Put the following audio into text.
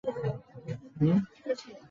配以米饭等主食的火锅。